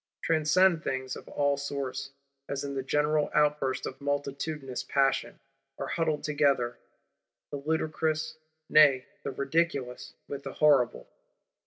Transcendent things of all sorts, as in the general outburst of multitudinous Passion, are huddled together; the ludicrous, nay the ridiculous, with the horrible.